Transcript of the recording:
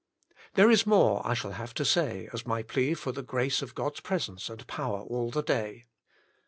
There is more I shall have to say, as my plea for the grace of God's presence and power all the day.